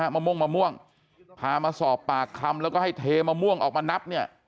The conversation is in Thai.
มะม่วงมะม่วงพามาสอบปากคำแล้วก็ให้เทมะม่วงออกมานับเนี่ย